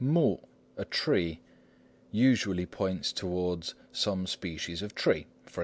木 mu "a tree" usually points toward some species of tree; _e.